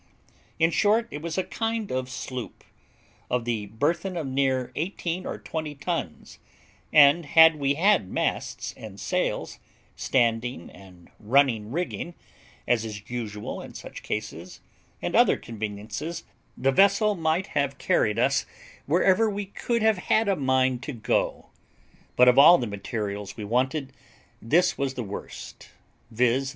In short, it was a kind of sloop, of the burthen of near eighteen or twenty tons; and had we had masts and sails, standing and running rigging, as is usual in such cases, and other conveniences, the vessel might have carried us wherever we could have had a mind to go; but of all the materials we wanted, this was the worst, viz.